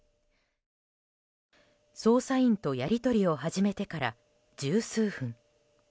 捜査員とやり取りを始めてから十数分。